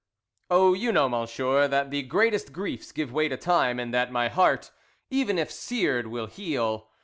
"Oh, you know, monsieur, that the greatest griefs give way to time, and that my heart, even if seared, will heal.